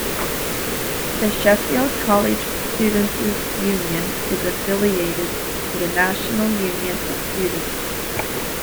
The Sheffield College Students' Union is affiliated to the National Union of Students.